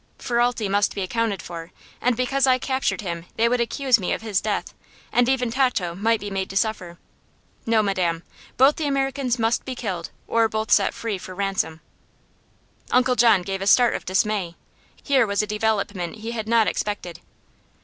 "Ferralti must be accounted for, and because I captured him they would accuse me of his death, and even Tato might be made to suffer. No, madame. Both the Americans must be killed, or both set free for ransom." Uncle John gave a start of dismay. Here was a development he had not expected.